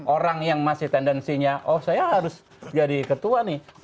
orang yang masih tendensinya oh saya harus jadi ketua nih